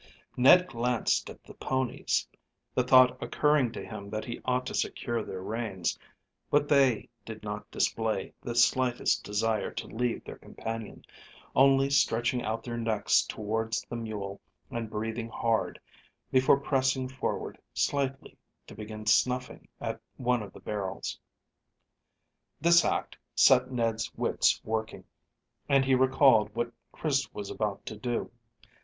Ned glanced at the ponies, the thought occurring to him that he ought to secure their reins; but they did not display the slightest desire to leave their companion, only stretching out their necks towards the mule and breathing hard before pressing forward slightly, to begin snuffing at one of the barrels. This act set Ned's wits working, and he recalled what Chris was about to do.